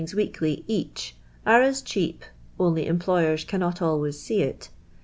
wei kly eachare as cheap (only employers cannot always sj'j it», wh'.'